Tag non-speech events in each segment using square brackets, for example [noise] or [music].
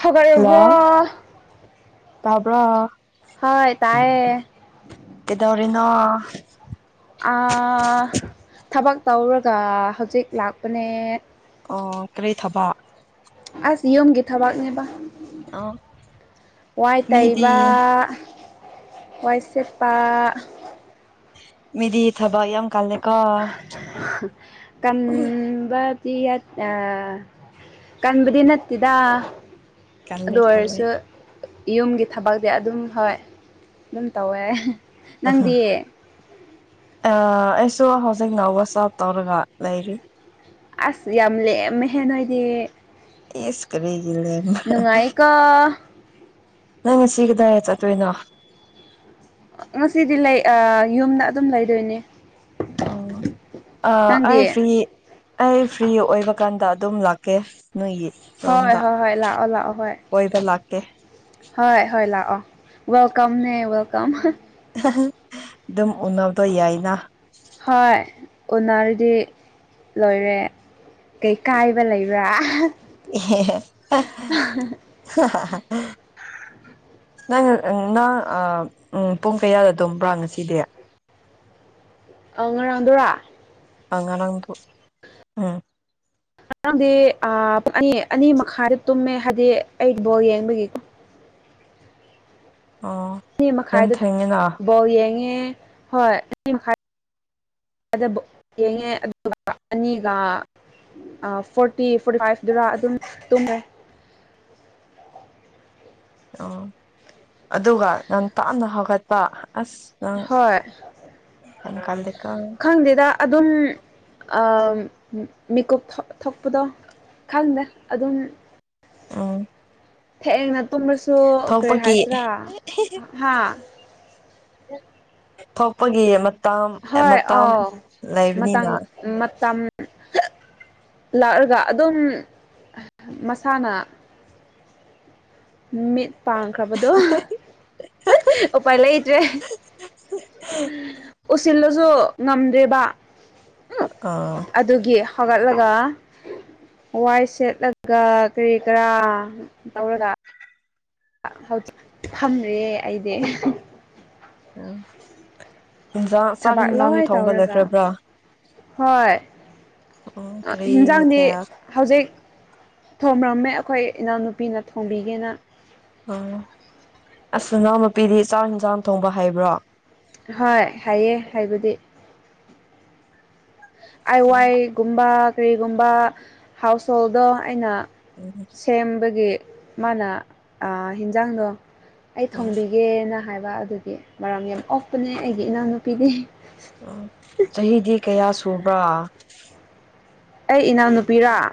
ꯍꯧꯒꯠꯔꯕ꯭ꯔꯣ ꯇꯥꯕꯔ ꯍꯣꯏ ꯇꯥꯏꯌꯦ ꯀꯩꯗꯧꯔꯤꯅꯣ ꯊꯕꯛ ꯇꯧꯔꯒ ꯍꯧꯖꯤꯛ ꯂꯥꯛꯄꯅꯦ ꯀꯔꯤ ꯊꯕ ꯑꯁ ꯌꯨꯝꯒꯤꯦ ꯊꯕꯥꯛꯅꯦꯕ ꯑꯣ ꯋꯥꯏ ꯇꯩꯕ ꯃꯤꯗꯤ ꯋꯥꯏ ꯁꯤꯠꯄꯥ ꯃꯤꯗꯤ ꯊꯕꯛ ꯌꯥꯝ ꯀꯜꯂꯦ ꯀꯝꯕ ꯑ ꯀꯟꯕꯗꯤ ꯅꯠꯇꯦꯗ ꯀꯜꯂꯦ ꯑꯗꯨ ꯀꯜꯂꯦ ꯑꯣꯏꯔꯁꯨ ꯌꯨꯝꯒꯤ ꯊꯕꯛꯁꯦ ꯑꯗꯨꯝ ꯍꯣꯏ ꯑꯗꯨꯝ ꯇꯧꯋꯦ ꯎꯝ ꯅꯪꯗꯤ ꯑꯩꯁꯨ ꯍꯧꯖꯤꯛꯅ ꯋꯥꯋꯁ ꯑꯥꯎꯠ ꯇꯧꯔꯒ ꯂꯩꯔꯤ ꯑꯁ ꯌꯥꯝ ꯂꯦꯛꯑꯃꯦꯍꯦꯟ ꯅ ꯍꯣꯏꯗꯤ ꯌꯦꯁ ꯀꯔꯒꯤ ꯂꯞ ꯅꯨꯡꯉꯥꯏꯀꯣ ꯅꯪ ꯉꯁꯤ ꯀꯗꯥꯏ ꯆꯠꯇꯣꯏꯅꯣ ꯉꯁꯤꯗꯤ ꯂꯩ ꯑ ꯌꯨꯝꯗ ꯑꯗꯨꯝ ꯂꯩꯗꯣꯏꯅꯦ ꯑꯣ ꯑ ꯑꯩ ꯅꯪꯗꯤ ꯐꯤ ꯑꯩ ꯐ꯭ꯔꯤ ꯑꯣꯏꯕ ꯀꯥꯟꯗ ꯑꯗꯨꯝ ꯂꯥꯛꯀꯦ ꯅꯣꯏꯒꯤ ꯍꯣꯏ ꯔꯣꯝꯗ ꯍꯣꯏ ꯍꯣꯏ ꯂꯥꯛꯑꯣ ꯂꯥꯛꯑꯣ ꯍꯣꯏ ꯀꯣꯏꯕ ꯂꯥꯛꯀꯦ ꯍꯣꯏ ꯍꯣꯏ ꯂꯥꯛꯑꯣ ꯋꯦꯜꯀꯝꯅꯦ ꯋꯦꯜꯀꯝ ꯑꯗꯨꯝ ꯎꯅꯕꯗꯣ ꯌꯥꯏꯅ ꯍꯣꯏ ꯎꯟꯅꯔꯗꯤ ꯂꯣꯏꯔꯦ ꯀꯩ ꯀꯥꯏꯕ ꯂꯩꯕ [unintelligible] ꯅꯪ ꯅꯪ ꯄꯨꯡ ꯀꯌꯥꯗ ꯑꯗꯨꯝꯕ꯭ꯔꯥ ꯉꯁꯤꯗꯤ ꯑ ꯉꯔꯥꯡꯗꯨꯔꯥ ꯑꯉꯥꯡ ꯎꯝ ꯉꯥꯡꯗꯤ ꯑꯅꯤ ꯑꯅꯤ ꯃꯈꯥꯗꯤ ꯇꯨꯝꯃꯦ ꯍꯥꯏꯗꯤ ꯑꯩꯠ ꯕꯣꯜ ꯌꯦꯡꯕꯒꯤꯀꯣ ꯑꯣ ꯑꯅꯤ ꯌꯥꯝ ꯃꯈꯥꯏꯗ ꯊꯦꯡꯉꯤꯅ ꯕꯣꯜ ꯌꯦꯡꯉꯦ ꯍꯣꯏ ꯑꯅꯤ ꯃꯈꯥꯏ ꯑꯗꯨꯕꯨ ꯌꯦꯡꯉꯦ ꯑꯗꯨꯒ ꯑꯅꯤꯒ ꯑ ꯐꯣꯔꯇꯤ ꯐꯣꯔꯇꯤꯐꯥꯏꯚ ꯗꯨꯔ ꯑꯗꯨꯝ ꯇꯨꯝꯃꯦ ꯑꯣ ꯑꯗꯨꯒ ꯅꯪ ꯄꯥꯞꯅ ꯍꯧꯒꯠꯄ ꯑꯁ ꯅꯪ ꯍꯣꯏ ꯌꯥꯝ ꯀꯜꯂꯤꯀꯣ ꯈꯪꯗꯦꯗ ꯑꯗꯨꯝ ꯃꯤꯦꯀꯞ ꯊꯣꯛꯄꯗꯣ ꯈꯪꯗꯦ ꯑꯗꯨꯝ ꯑꯝ ꯍꯌꯦꯡꯅ ꯇꯨꯝꯂꯁꯨ ꯀꯔꯤ ꯊꯣꯛꯄꯒꯤ ꯍꯥꯏꯁꯤꯔꯥ ꯍꯥ ꯊꯣꯛꯄꯒꯤ ꯃꯇꯝ ꯍꯣꯏ ꯃꯇꯝ ꯑꯥꯎ ꯃꯇꯝ ꯂꯩꯕꯅꯤꯅ ꯃꯇꯝ ꯂꯥꯛꯔꯒ ꯑꯗꯨꯝ ꯃꯁꯥꯅ ꯃꯤꯠ ꯄꯥꯡꯈ꯭ꯔꯕꯗꯣ [unintelligible] ꯑꯣꯄꯥꯏ ꯂꯩ ꯏꯗ꯭ꯔꯦ ꯎꯁꯤꯜꯂꯁꯨ ꯉꯝꯗ꯭ꯔꯦꯕ [unintelligible] ꯑꯗꯨꯒꯤ ꯍꯧꯒꯠꯂꯒ ꯋꯥꯏ ꯁꯦꯠꯂꯒ ꯀꯔꯤ ꯀꯔꯥ ꯇꯧꯔꯒ ꯍꯧꯖꯤꯛ ꯐꯝꯔꯦ ꯑꯩꯗꯤ ꯎꯝ ꯌꯦꯟꯁꯥꯡ ꯊꯕꯥꯛ ꯂꯣꯏ ꯆꯥꯛꯟꯁꯥꯡꯅꯤ ꯊꯣꯡꯕ ꯇꯧꯔꯒ ꯂꯩꯈ꯭ꯔꯕ꯭ꯔꯥ ꯍꯣꯏ ꯎꯝ ꯀꯔꯤ ꯍꯤꯟꯖꯥꯡꯗꯤ ꯃꯊꯦꯜ ꯍꯧꯖꯤꯛ ꯊꯣꯡꯔꯝꯃꯦ ꯑꯩꯈꯣꯏ ꯏꯅꯥꯎꯅꯨꯄꯤꯅ ꯊꯣꯡꯕꯤꯒꯦꯅ ꯎꯝ ꯑꯁꯅꯥꯎ ꯅꯨꯄꯤꯗꯤ ꯆꯥꯛ ꯏꯟꯁꯥꯡ ꯊꯣꯡꯕ ꯍꯩꯕ꯭ꯔꯣ ꯍꯣꯏ ꯍꯩꯌꯦ ꯍꯩꯕꯗꯤ ꯑꯥꯏ ꯎꯝ ꯋꯥꯏꯒꯨꯝꯕ ꯀꯔꯤꯒꯨꯝꯕ ꯍꯥꯎꯁ ꯍꯣꯜꯗꯣ ꯑꯩꯅ ꯎꯝ ꯁꯦꯝꯕꯒꯤ ꯃꯥꯅ ꯍꯦꯟꯖꯥꯡꯗꯣ ꯑꯩ ꯎꯝ ꯊꯣꯡꯕꯤꯒꯦꯅ ꯍꯥꯏꯕ ꯑꯗꯨꯒꯤ ꯃꯔꯝ ꯌꯥꯝ ꯃꯣꯛꯄꯅꯦ ꯑꯩꯒꯤ ꯏꯅꯥꯎꯅꯨꯄꯤꯗꯤ ꯑꯥ ꯆꯍꯤꯗꯤ ꯀꯌꯥ ꯁꯨꯕ꯭ꯔꯥ ꯑꯩ ꯏꯅꯥꯎꯅꯨꯄꯤꯔꫭ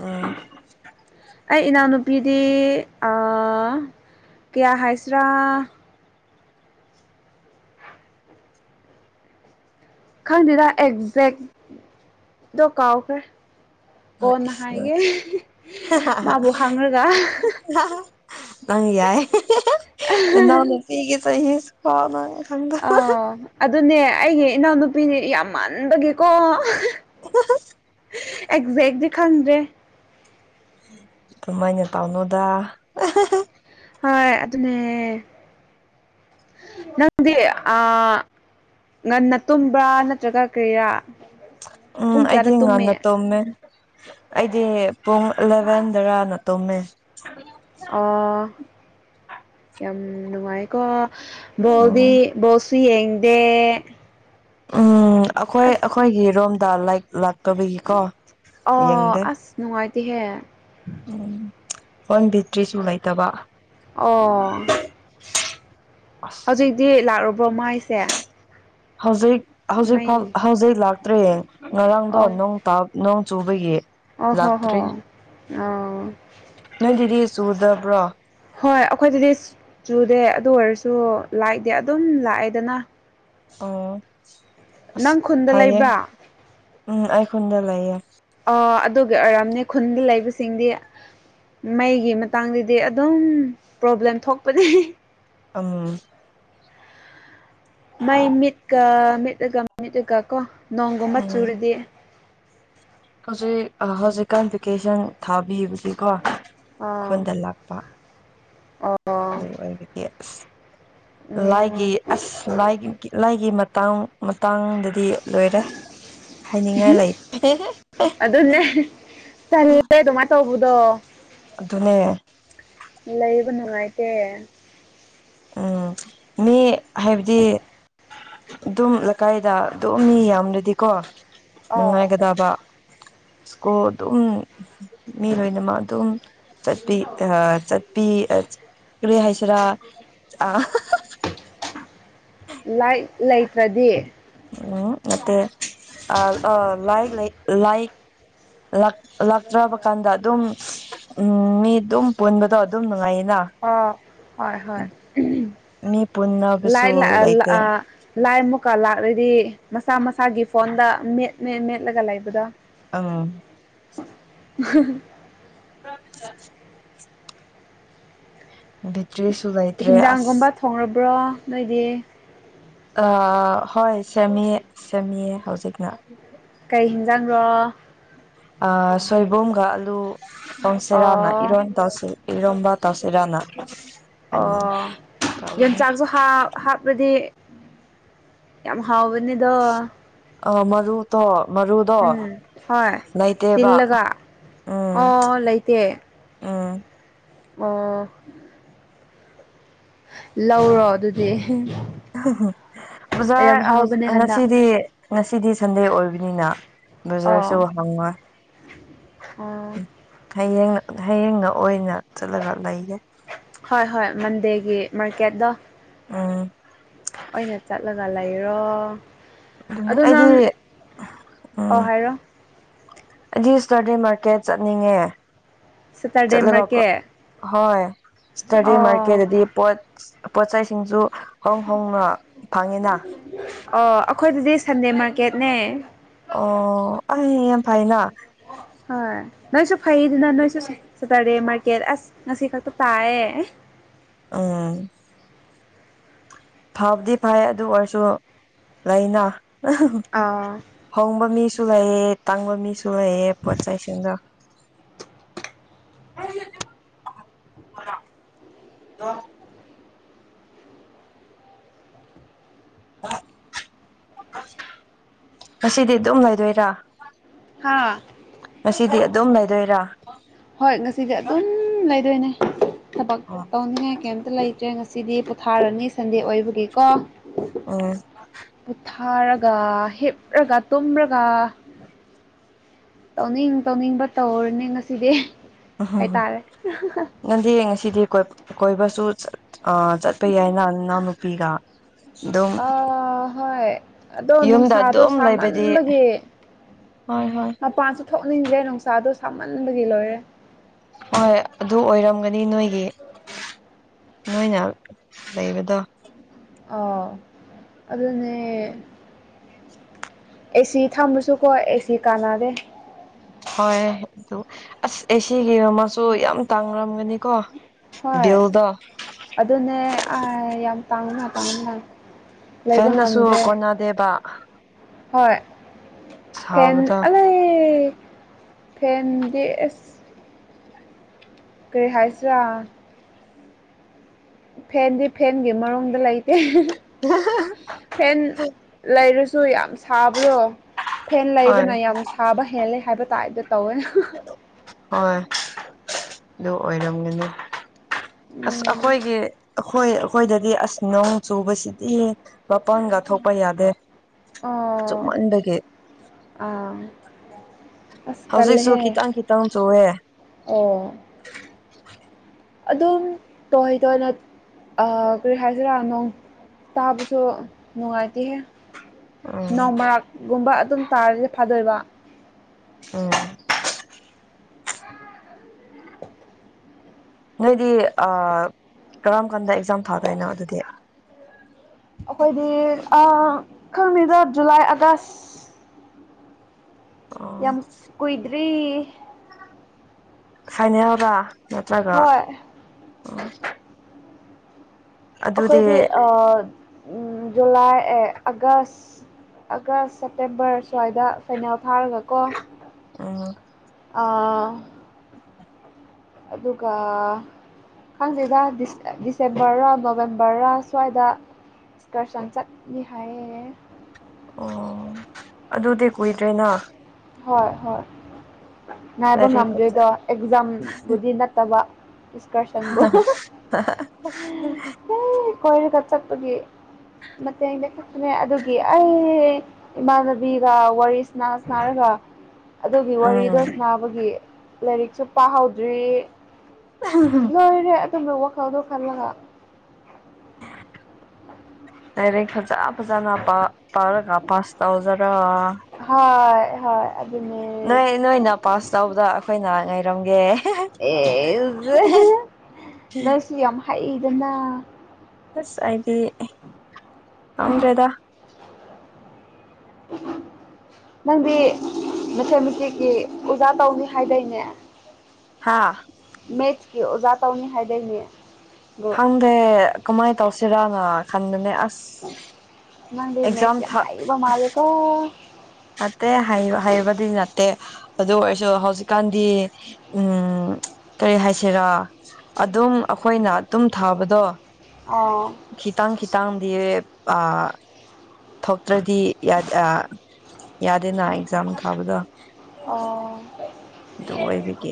ꯎꯝ ꯑꯩ ꯏꯅꯥꯎꯅꯨꯄꯤꯗꯤ ꯑ ꯀꯌꯥ ꯍꯥꯏꯁꯤꯔꯥ ꯈꯪꯗꯦꯗ ꯑꯦꯛꯖꯦꯛ ꯗꯣ ꯀꯥꯎꯈ꯭ꯔꯦ ꯀꯣꯟꯅ ꯍꯥꯏꯒꯦ ꯃꯥꯕꯨ ꯍꯪꯔꯒ ꯅꯪ ꯌꯥꯏ ꯅꯅꯥꯎ ꯅꯨꯄꯤꯒꯤ ꯆꯍꯤꯁꯨ ꯐꯥꯎ ꯅꯪ ꯈꯪ ꯑꯧ ꯑꯗꯨꯅꯦ ꯑꯩꯒꯤ ꯏꯅꯥꯎꯅꯨꯄꯤꯅꯤ ꯌꯥꯝ ꯃꯥꯟꯕꯒꯤꯀꯣ ꯑꯦꯛꯖꯦꯛꯇꯤ ꯈꯪꯗꯦ ꯑꯗꯨꯃꯥꯏꯅ ꯇꯧꯅꯨꯗ ꯍꯣꯏ ꯑꯗꯨꯅꯦ ꯅꯪꯗꯤ ꯑꯥ ꯉꯟꯅ ꯇꯨꯝꯕ꯭ꯔꯥ ꯅꯠꯇ꯭ꯔꯒ ꯀꯔꯤꯔ ꯎꯝ ꯑꯩꯗꯤ ꯉꯟꯅ ꯇꯨꯝꯃꯦ ꯑꯩꯗꯤ ꯄꯨꯡ ꯑꯦꯂꯦꯚꯦꯟꯗꯔꯅ ꯇꯨꯝꯃꯦ ꯑꫭ ꯌꯥꯝ ꯅꯨꯡꯉꯥꯏꯀꯣ ꯕꯣꯜꯗꯤ ꯎꯝ ꯕꫭꯜꯁꯨ ꯌꯦꯡꯗꯦ ꯎꯝ ꯑꯩꯈꯣꯏ ꯑꯁ ꯑꯩꯈꯣꯏꯒꯤ ꯔꯣꯝꯗ ꯂꯥꯏ ꯂꯥꯛꯇꯕꯒꯤꯀꯣ ꯑꯣ ꯑꯁ ꯅꯨꯡꯉꯥꯏꯇꯦꯍꯦ ꯎꯝ ꯐꫭꯟ ꯕꯦꯇ꯭ꯔꯤꯁꯨ ꯂꯩꯇꯕ ꯑꯣ ꯍꯧꯖꯤꯛꯇꯤ ꯂꯥꯛꯂꯨꯕꯣ ꯃꯥꯏꯁꯦ ꯍꯧꯖꯤꯛ ꯍꯧꯖꯤꯛ ꯐꯥꯎ ꯃꯩ ꯍꯧꯖꯤꯛ ꯂꯥꯛꯇ꯭ꯔꯦ ꯉꯔꯥꯡꯗꯣ ꯅꯣ ꯇꯥꯎ ꯅꯣꯡ ꯆꯨꯕꯒꯤ ꯑꯣꯍꯣ ꯍꯣ ꯂꯥꯛꯇ꯭ꯔꯤ ꯑꯥ ꯅꯪꯏꯗꯤꯗꯤ ꯆꯨꯗꯕ꯭ꯔꯣ ꯍꯣꯏ ꯑꯩꯈꯣꯏꯗꯗꯤ ꯆꯨꯗꯦ ꯑꯗꯨ ꯑꯣꯏꯔꯁꯨ ꯂꯥꯏꯠꯇꯤ ꯑꯗꯨꯝ ꯂꯥꯛꯑꯦꯗꯅ ꯑꯣ ꯑꯁ ꯅꯪ ꯈꯨꯟꯗ ꯐꯩꯌꯦ ꯂꯩꯕ꯭ꯔꯥ ꯎꯝ ꯑꯩꯥꯈꯨꯟꯗ ꯂꯩꯌꯦ ꯑ ꯑꯗꯨꯒꯤ ꯑꯣꯏꯔꯝꯅꯤ ꯈꯨꯟꯗ ꯂꯩꯕꯁꯤꯡꯗꯤ ꯃꯩꯒꯤ ꯃꯇꯥꯡꯗꯗꯤ ꯑꯗꯨꯝ ꯄ꯭ꯔꯣꯕ꯭ꯂꯦꯝ ꯊꯣꯛꯄꯅꯤ ꯑꯝ ꯃꯩ ꯃꯤꯠꯀ ꯃꯤꯠꯂꯒ ꯃꯤꯠꯂꯒ ꯀꯣ ꯅꯣꯡꯒꯨꯝꯕ ꯎꯝ ꯆꯨꯨꯔꯗꯤ ꯍꯧꯖꯤꯛ ꯍꯧꯖꯤꯛꯀꯥꯟ ꯚꯦꯀꯦꯁꯟ ꯊꯥꯕꯤꯕꯗꯤꯀꯣ ꯑꯥ ꯈꯨꯟꯗ ꯂꯥꯛꯄ ꯑꯣ ꯑꯗꯨ ꯑꯣꯏꯔꯗꯤ ꯑꯁ ꯎꯝ ꯂꯥꯏꯒꯤ ꯑꯁ ꯂꯥꯏꯒꯤ ꯂꯥꯏꯒꯤ ꯃꯇꯥꯡ ꯃꯇꯥꯡꯗꯗꯤ ꯂꯣꯏꯔꯦ ꯍꯥꯏꯅꯤꯡꯉꯥꯏ ꯂꯩꯇꯦ ꯑꯗꯨꯅꯦ ꯇꯜꯂꯦ ꯑꯗꯨꯃꯥꯏꯅ ꯇꯧꯕꯗꯣ ꯑꯗꯨꯅꯦ ꯂꯩꯕ ꯅꯨꯡꯉꯥꯏꯇꯦ ꯎꯝ ꯃꯤ ꯍꯥꯏꯕꯗꯤ ꯑꯗꯨꯝ ꯂꯩꯀꯥꯏꯗ ꯑꯗꫭꯝ ꯃꯤ ꯌꯥꯝꯗꯔꯗꯤꯀꯣ ꯑꯥꯎ ꯅꯨꯡꯉꯥꯏꯒꯗꯕ ꯏꯁꯀꯣꯗꯨꯝ ꯃꯤ ꯂꯣꯏꯅꯃꯛ ꯑꯗꯨꯝ ꯆꯠꯄꯤ ꯑ ꯆꯠꯄꯤ ꯀꯔꯤ ꯍꯥꯏꯁꯤ꯭ꯔꯥ ꯑ ꯂꯥꯏꯠ ꯂꯩꯇ꯭ꯔꯗꯤ ꯎꯝ ꯅꯠꯇꯦ ꯑ ꯑꫭ ꯂꯥꯏꯠ ꯂꯩ ꯂꯥꯏꯠ ꯂꯥꯛ ꯂꯥꯛꯇ꯭ꯔꯕ ꯀꯥꯟꯗ ꯑꯗꯨꯝ ꯎꯝ ꯃꯤ ꯑꯗꯨꯝ ꯄꯨꯟꯕꯗꯣ ꯑꯗꯨꯝ ꯅꯨꯡꯉꯥꯏꯌꯦꯅ ꯑꯣ ꯍꯣꯏ ꯍꯣꯏ ꯃꯤ ꯂꯥꯏ ꯂꯥꯛ ꯄꯨꯟꯅꯕꯁꯨ ꯂꯩꯇꯦ ꯂꯥꯏ ꯑꯃꯨꯛꯀ ꯂꯥꯛꯂꯗꯤ ꯃꯁꯥ ꯃꯁꯥꯒꯤ ꯐꯣꯟꯗ ꯃꯦꯠꯃꯦꯠ ꯃꯦꯠꯂꯒ ꯂꯩꯕꯗꯣ ꯑꯥ [unintelligible] [unintelligible] ꯕꯤꯇ꯭ꯔꯤꯁꯨ ꯂꯩꯇ꯭ꯔꯦ ꯑꯁ ꯍꯧꯔꯕ꯭ꯔ‌ꯣ ꯅꯣꯏꯗꯤ ꯑ ꯍꯣꯏ ꯁꯦꯝꯃꯤ ꯁꯦꯝꯃꯤꯌꯦ ꯍꯧꯖꯤꯛꯅ ꯀꯩ ꯍꯤꯟꯖꯥꯡꯔꯣ ꯁꯣꯏꯕꯨꯝꯒ ꯑꯂꯨ ꯑꯣ ꯁꯦꯔꯥꯎꯅ ꯑꯣ ꯏꯔꯣꯟ ꯇꯧꯁꯤ ꯏꯔꯣꯝꯕ ꯇꯧꯁꯤ ꯔꯅ ꯑꯣ ꯌ‌ꯦꯟꯆꯥꯛꯁꯨ ꯍꯥꯞ ꯍꯥꯞꯔꯗꯤ ꯌꯥꯝ ꯍꯥꯎꯕꯅꯤꯗꯣ ꯑ ꯃꯔꯨꯇꯣ ꯃꯔꯨꯗꯣ ꯎꯝ ꯍꯣꯏ ꯂꯩꯇꯦꯕꯥ ꯇꯤꯜꯂꯒ ꯑꯣ ꯂꯩꯇꯦ ꯑꯝ ꯑ‌ꯣ ꯂꯧꯔꯣ ꯑꯗꯨꯗꯤ ꯕꯖꯥꯔ ꯌꯥꯝ ꯍꯥꯎꯕꯅꯦ ꯍ ꯍꯟꯗꯛ ꯉꯁꯤꯗꯤ ꯉꯁꯤꯗꯤ ꯁꯟꯗꯦ ꯑꯣꯏꯕꯅꯤꯅ ꯑꯣ ꯕꯖꯥꯔꯁꯨ ꯍꯪꯉ‌ꯣꯏ ꯑꯣ ꯍꯌꯦꯡ ꯍꯌꯦꯡꯅ ꯑꯣꯏꯅ ꯆꯠꯂꯒ ꯂꯩꯒ‌ꯦ ꯍꯣꯏ ꯍꯣꯏ ꯃꯟꯗꯦꯒꯤ ꯃꯥꯔꯀꯦꯠꯇ‌ꯣ ꯎꯝ ꯑꯣꯏꯒ ꯆꯥꯠꯂꯒ ꯂꯩꯔ‌ꯣ ꯑꯩꯗꯤ ꯎ ꯑꯣ ꯍꯥꯏꯔꯣ ꯑꯩꯗꯤ ꯏꯁꯇꯔꯗꯦ ꯃꯥꯔꯀꯦꯠ ꯆꯠꯅꯤꯡꯉꯦ ꯁꯦꯇꯔꯗꯦ ꯆꯠꯂꯒꯀꯣ ꯃꯥꯔꯀꯦꯠ ꯍꯣꯏ ꯏꯁꯇꯔꯗ‌ꯦ ꯑꯣ ꯃꯥꯔꯀꯦꯠꯇꯗꯤ ꯄꯣꯠ ꯄꯣꯠꯆꯩꯁꯤꯡꯁꯨ ꯑꯣ ꯑꯩꯈꯣꯏꯗꯗꯤ ꯁꯟꯗꯦ ꯃꯥꯔꯀꯦꯠꯅꯦ ꯑꯣ ꯑ ꯌꯥꯝ ꯐꯥꯏꯅ ꯍ‌ꯣꯏ ꯅꯣꯏꯁꯨ ꯐꯩꯗꯅ ꯅꯣꯏꯁꯨ ꯁ‌ꯦ ꯁꯦꯇꯔꯗꯦ ꯃꯥꯔꯀꯦꯠ ꯑꯁ ꯉꯁꯤ ꯈꯛꯇ ꯇꯥꯏꯌꯦ ꯑꯥ ꯐꯕꯗꯤ ꯐꯩ ꯑꯗꯨ ꯑꯣꯏꯔꯁꯨ ꯂꯩꯅ ꯑꯥ ꯍꯣꯡꯕ ꯃꯤꯁꯨ ꯂꯩ‌ꯌ‌ꯦ ꯇꯥꯡꯕ ꯃꯤꯁꯨ ꯂꯩꯌ‌ꯦ ꯄꯣꯠ ꯆꯩꯁꯤꯡꯗꯣ [unintelligible] ꯉꯁꯤꯗꯤ ꯗꯨꯝ ꯂꯩꯗꯣꯏꯔꯥ ꯍꯥꯥ ꯉꯁꯤꯗꯤ ꯑꯗꯨꯝ ꯂꯩꯗꯣꯏꯔꯥ ꯍꯣꯏ ꯉꯁꯤꯗꯤ ꯑꯗꯨꯝ ꯂꯩꯗꯣꯏꯅꯦ ꯊꯕꯛ ꯑ ꯇꯧꯅꯤꯡꯉꯥꯏ ꯀꯩꯝꯇ ꯂꯩꯇ꯭ꯔꯦ ꯉꯁꯤꯗꯤ ꯄꯣꯊꯥꯔꯅꯤ ꯁꯟꯗꯦ ꯑꯣꯏꯕꯒꯤꯀꯣ ꯑꯝ ꯄꯣꯊꯥꯔꯒ ꯍꯤꯞꯂꯒ ꯇꯨꯝꯔꯒ ꯇꯧꯅꯤꯡ ꯇꯧꯅꯤꯡꯕ ꯇꯧꯔꯅꯦ ꯉꯁꯤꯗꯤ ꯎꯝ ꯍꯥꯏꯇꯥꯔꯦ ꯅꯪꯗꯤ ꯉꯁꯤꯗꯤ ꯀꯣꯏꯕꯁꯨ ꯆꯠ ꯑꯥ ꯆꯠꯄ ꯌꯥꯏꯅ ꯅꯅꯥꯎ ꯅꯨꯄꯤꯒ ꯗꯨꯝ ꯑꯥ ꯍꯣꯏ ꯑꯗꯣ ꯌꯨꯝꯗ ꯅꯨꯡꯁꯥꯗꯣ ꯑꯗꯨꯝ ꯂꯩꯕꯗꯤ ꯁꯥꯃꯟꯕꯒꯤ ꯍꯣꯏ ꯍꯣꯏ ꯊꯣꯛꯅꯤꯡꯗ‌ꯦ ꯅꯨꯡꯁꯥꯗꯣ ꯁꯥꯃꯟꯕꯒꯤ ꯂꯣꯏꯔꯦ ꯍꯣꯏ ꯑꯗꯨ ꯑꯣꯏꯔꯝꯒꯅꯤ ꯅꯣꯏꯒꯤ ꯅꯣꯏꯅ ꯂꯩꯕꯗꯣ ꯑꯥꯎ ꯑꯗꯨꯅꯦ ꯑꯦꯁꯤ ꯊꯝꯃꯁꯨꯀꯣ ꯑꯦꯁꯤ ꯀꯥꯟꯅꯗ‌ꯦ ꯍꯣꯏ ꯑꯗꯨ ꯑꯁ ꯑꯦ ꯁꯤꯒꯤꯃꯁꯨ ꯌꯥꯝ ꯇꯥꯡꯅꯔꯝꯒꯅꯤꯀꯣ ꯍꯣꯏ ꯗ‌ꯦꯜꯗ ꯑꯗꯨꯅꯦ ꯑꯥꯏ ꯌꯥꯝ ꯇꯥꯡꯅ ꯇꯥꯡꯅ ꯂꯩꯕ ꯉꯝꯗ꯭ꯔꯦ ꯅꯗꯦꯕ ꯍꯣꯏ ꯐꯦꯟ ꯁꯥꯕꯗ ꯑꯂꯩ ꯐꯦꯟꯗꯤ ꯑꯦꯁ ꯀꯔꯤ ꯍꯥꯏꯁꯤꯔꯥ ꯐꯦꯟꯗꯤ ꯐꯦꯟꯒꯤ ꯃꯔꯨꯡꯗ ꯂꯩꯇꯦ [unintelligible] ꯐꯦꯟ ꯂꯩꯔꯁꯨ ꯌꯥꯝ ꯁꯥꯕꯗꯣ ꯐꯦꯟ ꯍꯣꯏ ꯂꯩꯕꯅ ꯌꯥꯝ ꯁꯥꯕ ꯍꯦꯜꯂꯦ ꯍꯥꯏꯕ ꯇꯥꯏꯞꯗ ꯇꯧꯋꯦ ꯍꯣꯏ ꯑꯗꯨ ꯑꯣꯏꯔꯝꯒꯅꯤ ꯑꯁ ꯎꯝ ꯑꯩꯈꯣꯏꯒꯤ ꯑꯩꯈꯣꯏ ꯑꯩꯈꯣꯏꯗꯗꯤ ꯑꯁ ꯅꯣꯡ ꯆꯨꯕꯁꯤꯗꯤ ꯃꯄꯥꯟꯒꯥꯊꯣꯛꯄ ꯌꯥꯗꯦ ꯑꯣ ꯆꯨꯞꯃꯟꯕꯒꯤ ꯑꯥ ꯑꯁ ꯍꯧꯖꯤꯛꯁꯨ ꯇꯜꯂꯦꯍꯦ ꯈꯤꯇꯪ ꯈꯤꯇꯪ ꯆꯨꯑꯦ ꯑꯣ ꯑꯗꯨꯝ ꯇꯣꯏꯍ ꯇꯣꯏꯅ ꯑꯥ ꯀꯔꯤ ꯍꯥꯏꯖꯔꯥ ꯅꯣꯡ ꯇꯥꯕꯁꯨ ꯅꯨꯡꯉꯥꯏꯇ‌ꯦꯍ‌ꯦ ꯎꯝ ꯅꯣꯡ ꯃꯔꯥꯛꯀꯨꯝꯕ ꯑꯗꯨꯝ ꯇꯥꯔꯗꯤ ꯐꯥꯗꯣꯏꯕ ꯎꯝ ꯅꯣꯏꯗꯤ ꯑ ꯀꯔꯝ ꯀꯥꯟꯗ ꯑꯦꯛꯖꯥꯝ ꯊꯥꯗꯣꯏꯅꯣ ꯑꯗꯨꯗꯤ ꯑꯩꯈꯣꯏꯗꯤ ꯑ ꯈꯪꯗꯦꯗ ꯖꯨꯂꯥꯏ ꯑꯥꯒꯁ ꯌꯥꯝ ꯑꯣ ꯀꯨꯏꯗ꯭ꯔꯤ ꯐꯥꯏꯅꯦꯜꯂꯕ ꯅꯠꯇ꯭ꯔꯒ ꯍꯣꯏ ꯎ ꯑꯗꯨꯗꯤ ꯑꯩꯈꯣꯏꯗꯤ ꯑꯥ ꯖꯨꯂꯥꯏ ꯑ‌ꯦ ꯑꯥꯒꯁ ꯑꯥꯒꯁ ꯁꯦꯞꯇꯦꯝꯕꯔ ꯁ꯭ꯋꯥꯏꯗ ꯐꯩꯅꯦꯜ ꯐꯥꯔꯒꯀꯣ ꯑ ꯑꯥ ꯑꯗꯨꯒꯥ ꯈꯪꯗꯦꯗ ꯗꯤꯁ‌ꯦ ꯗꯤꯁꯦꯝꯕꯔꯔ ꯅꯣꯕꯦꯝꯕꯔꯔ ꯁ꯭ꯋꯥꯏꯗ ꯏꯁꯀꯔꯁꯟ ꯆꯠꯅꯤ ꯍꯥꯏꯌꯦ ꯑꯣ ꯑꯗꯨꯗꯤ ꯀꯨꯏꯗ꯭ꯔꯦꯅꯥ ꯍꯣꯏ ꯍꯣꯏ ꯉꯥꯏꯕ ꯂꯥꯏꯔꯤꯛ ꯐꯖ ꯉꯝꯗꯔꯤꯗ‌ꯣ ꯑꯦꯛꯖꯥꯝꯕꯨꯗꯤ ꯅꯠꯇꯕ ꯏꯁꯀꯔꯁꯟꯕꯨ ꯑꯦ ꯀꯣꯏꯔꯒ ꯆꯠꯄꯒꯤ ꯃꯇ‌ꯦꯡꯗꯤ [unintelligible] ꯈꯛꯇꯅꯦ ꯑꯗꯨꯒꯤ ꯑꯩ ꯏꯃꯥꯟꯅꯕꯤꯒ ꯋꯥꯔꯤ ꯁꯅꯥ ꯁꯅꯥ ꯕ ꯑꯗꯨꯒꯤ ꯎꯝ ꯋꯥꯔꯤꯗꯣ ꯁ ꯅꯥꯕꯒꯤ ꯂꯥꯏꯔꯤꯛꯁꯨ ꯄꯥꯍꯧꯗ꯭ꯔꯤ [unintelligible] ꯂꯣꯏꯔꯦ ꯑꯗꯨꯝꯕ ꯋꯥꯈꯜꯗꯣ ꯈꯜꯂꯒ [unintelligible] ꯂꯥꯏꯔꯤꯛ ꯐꯖ ꯐꯖꯅ ꯄ ꯄꯥꯔꯒ ꯄꯥꯁ ꯇꯧꯖꯔꯣ ꯍꯥꯏ ꯍꯣꯏ ꯑꯗꯨꯅꯦ ꯅꯣꯏ ꯅꯣꯏꯅ ꯄꯥꯁ ꯇꯧꯕꯗ ꯑꯩꯈꯣꯏꯅ ꯉꯥꯏꯔꯝꯒꯦ [unintelligible] ꯀ‌ꯦ ꯁꯤ ꯌꯥꯝ ꯍꯩꯗꯅ ꯑꯁ ꯑꯩꯗꯤ ꯉꯝꯗ꯭ꯔꯦꯗ [inaudible] ꯅꯪꯗꯤ ꯃ‌ꯦꯊꯃꯊꯤꯛꯀꯤ ꯑꯣꯖꯥ ꯇꯧꯅꯤ ꯍꯥꯏꯗꯣꯏꯅꯦ ꯍꯥꯥ ꯃꯦꯠꯀꯤ ꯑꯣꯖꯥ ꯇꯧꯅꯤ ꯍꯥꯏ ꯂꯩꯅꯦ ꯈꯪꯗꯦ ꯀꯃꯥꯏ ꯇꯧꯁꯤꯔꯅ ꯈꯟꯕꯅꯦ ꯑꯁ ꯅꯪꯗꯤ ꯑꯦꯛꯖꯥꯝ ꯃꯦꯁ ꯌꯥꯝ ꯊꯥ ꯍꯩꯏꯕ ꯃꯥꯜꯂꯤꯗꯣ ꯅꯠꯇꯦ ꯍꯩ ꯍꯩꯕꯗꯤ ꯅꯠꯇꯦ ꯑꯗꯨ ꯑꯣꯏꯔꯁꯨ ꯍꯧꯖꯤꯛꯀꯥꯟꯗꯤ ꯎꯝ ꯀꯔꯤ ꯍꯥꯏꯁꯤꯔꯥ ꯑꯗꯨꯝ ꯑꯩꯈꯣꯏꯅ ꯑꯗꯨꯝ ꯊꯥꯕꯗꯣ ꯑꯥꯎ ꯈꯤꯇꯪ ꯈꯤꯇꯪꯗꯤ ꯊꯣꯛꯇ꯭ꯔꯗꯤ ꯌꯥꯗꯦꯅꯥ ꯑꯦꯛꯖꯥꯝ ꯊꯥꯕꯗꯣ ꯑꯣ ꯑꯗꯨ ꯑꯣꯏꯕꯒꯤ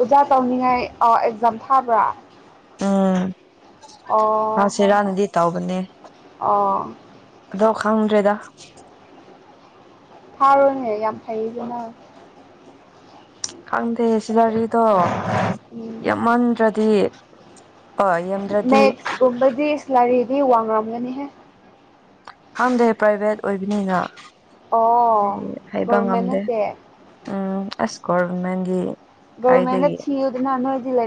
ꯑꯣꯖꯥ ꯇꯧꯅꯤꯡꯉꯥꯏ ꯑ ꯑꯦꯛꯖꯥꯝ ꯊꯥꯕ꯭ꯔꯥ ꯎꯝ ꯑꯣ ꯍꯣꯏ ꯍꯣꯏ ꯐꯁꯤꯔꯥꯅꯗꯤ ꯇꯧꯕꯅꯦ ꯑꯣ ꯑꯗꯣ ꯈꯪꯗ꯭ꯔꯦꯗꯥ ꯐꯥꯔꯨꯅꯦ ꯌꯥꯝ ꯐꯩꯗꯅ ꯈꯪꯗꯦ ꯁꯤ ꯔꯤꯗꯣ ꯎꯝ ꯌꯥꯝꯃꯟꯗ꯭ꯔꯗꯤ ꯍꯣꯏ ꯌꯥꯝꯗ꯭ꯔꯗꯤ ꯃꯦꯠꯁꯀꯨꯝꯕꯗꯤ ꯂꯥꯏꯔꯤꯗꯤ ꯋꯥꯡꯡꯂꯝꯒꯅꯤꯍꯦ ꯈꯪꯗꯦ ꯄ꯭ꯔꯥꯏꯚꯦꯠ ꯑꯣꯏꯕꯅꯤꯅ ꯑꯣ ꯍꯩꯕ ꯒꯣꯔꯃꯦꯟ ꯉꯝꯗꯦ ꯅꯠꯇꯦ ꯎꯝ ꯑꯁ ꯀꯣꯔꯎꯃꯦꯟꯒꯤ ꯒꯔꯃꯦꯟ ꯊꯤꯎ ꯑꯗꯨꯅ ꯅꯅꯣꯣꯏ